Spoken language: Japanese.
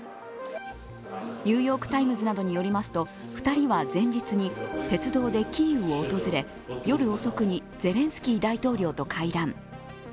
「ニューヨーク・タイムズ」などによりますと、２人は前日に鉄道でキーウを訪れ、夜遅くにゼレンスキー大統領と会談。